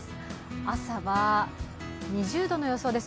朝は２０度の予想です。